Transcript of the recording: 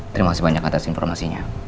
terima kasih banyak atas informasinya